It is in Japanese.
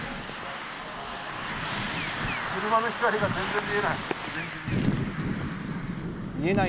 車の光が全然見えない。